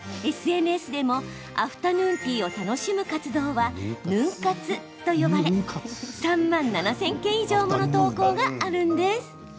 ＳＮＳでもアフタヌーンティーを楽しむ活動はヌン活と呼ばれ３万７０００件以上もの投稿があるんです。